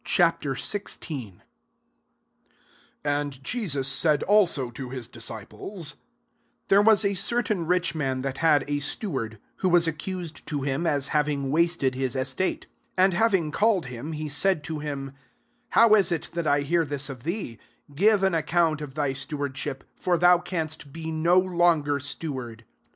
XVI. 1 AND Je^us said klao to Ms disciples, '* There v» a certain rich man that had istsirard ; who was accused to bim AS having wasted his estate. I And having called him, he utU to hini» < How is it that I bear this of thee ? give an ac count of [My] stewardship: for tboacsnstbeno longer steward.'